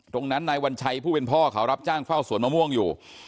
นายวัญชัยผู้เป็นพ่อเขารับจ้างเฝ้าสวนมะม่วงอยู่